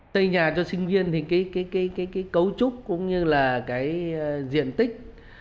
xây nhà cho sinh viên thì cái cấu trúc cũng như là cái diện tích